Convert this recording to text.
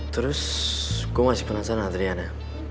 terus gue masih penasaran antriannya